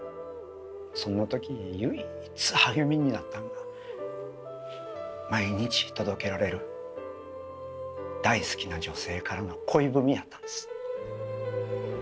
そんなとき唯一励みになったんが毎日届けられる大好きな女性からの恋文やったんです。